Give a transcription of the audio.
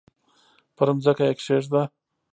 پر مځکه یې کښېږده!